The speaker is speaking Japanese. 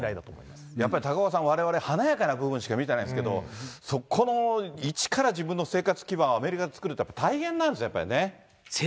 やっぱり高岡さん、華やかな部分しか見てないんですけど、そこの一から自分の生活基盤をアメリカで作るって大変なんですね、やっぱり。